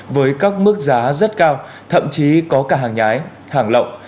với các mức giá rất cao thậm chí có cả hàng nhái hàng lộng